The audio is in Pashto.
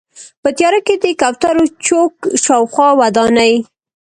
په تیاره کې د کوترو چوک شاوخوا ودانۍ.